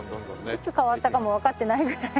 いつ変わったかもわかってないぐらい。